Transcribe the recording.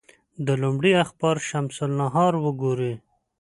د لومړي اخبار شمس النهار وګوري.